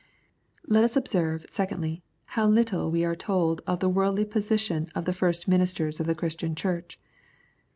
Let us observe, secondly, how little we are told of the worldly position of the first ministers of the Christian Church.